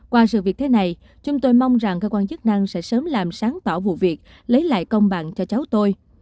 qua sự việc thế này chúng tôi mong rằng cơ quan chức năng sẽ sớm làm sáng tỏ vụ việc lấy lại công bằng cho cháu tôi